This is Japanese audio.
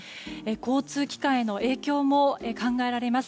交通機関への影響も考えられます。